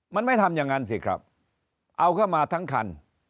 มันไม่ทำอย่างนั้นสิครับเอาเข้ามาทั้งคัน